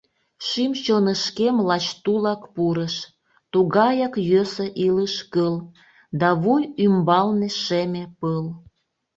Шӱм-чонышкем лач тулак пурыш: Тугаяк йӧсӧ илыш кыл, Да вуй ӱмбалне шеме пыл.